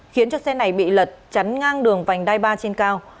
khiến cho xe này bị lật chắn ngang đường vành đai ba trên cao